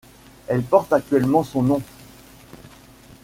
Elle porte actuellement son nom.